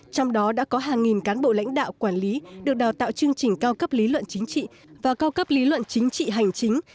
trong đó đã có hàng nghìn cán bộ lãnh đạo quản lý được đào tạo chương trình cao cấp lý luận chính trị và cao cấp lý luận chính trị hành chính